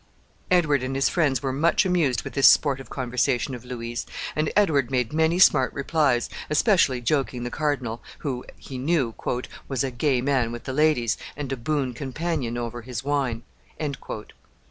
Edward and his friends were much amused with this sportive conversation of Louis's, and Edward made many smart replies, especially joking the cardinal, who, he knew, "was a gay man with the ladies, and a boon companion over his wine."